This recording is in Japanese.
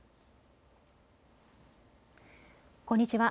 こんにちは。